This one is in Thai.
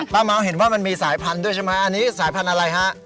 เมาส์เห็นว่ามันมีสายพันธุ์ด้วยใช่ไหมอันนี้สายพันธุ์อะไรฮะ